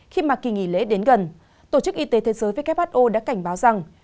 khi mà kỳ nghỉ lễ đến gần tổ chức y tế thế giới who đã cảnh báo rằng